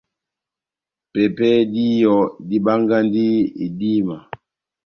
Pɛpɛhɛ díyɔ, dibangahi idíma.